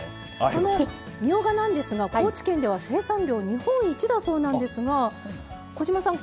このみょうがなんですが高知県では生産量日本一だそうなんですが小島さん